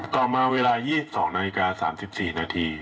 ต่อมาเวลา๒๒นาฬิกา๓๔นาที